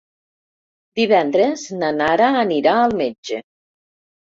Divendres na Nara anirà al metge.